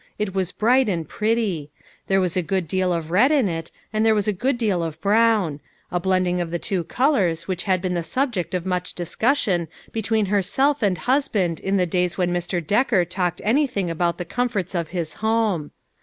It was bright and pretty. There was a good deal of red in it, and there was a good deal of brown ; a blending of the two col ors which had been the subject of much discus sion between herself and husband in the days when Mr. Decker talked anything about the com forts of his home.